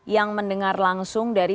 yang mendengar langsung dari